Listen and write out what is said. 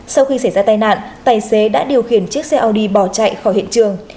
sau khi xảy ra tai nạn tài xế đã điều khiển chiếc xe orudi bỏ chạy khỏi hiện trường